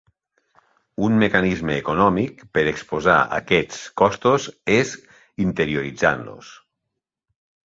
Un mecanisme econòmic per exposar aquests costos és interioritzant-los.